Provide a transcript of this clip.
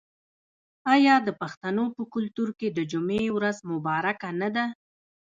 آیا د پښتنو په کلتور کې د جمعې ورځ مبارکه نه ده؟